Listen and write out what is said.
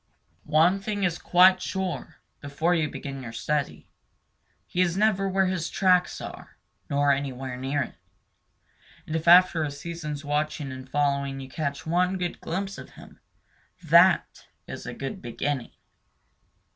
One thing is quite sure, before you begin your study: he is never where his tracks are, nor anywhere near it. And if after a season's watching and following you catch one good glimpse of him, that is a good beginning.